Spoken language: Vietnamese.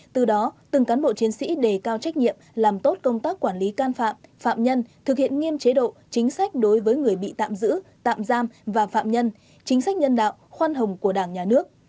từ đó từng cán bộ chiến sĩ đề cao trách nhiệm làm tốt công tác quản lý can phạm phạm nhân thực hiện nghiêm chế độ chính sách đối với người bị tạm giữ tạm giam và phạm nhân chính sách nhân đạo khoan hồng của đảng nhà nước